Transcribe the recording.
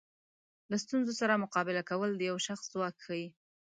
له ستونزو سره مقابله کول د یو شخص ځواک ښیي.